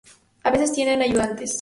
A veces tienen ayudantes.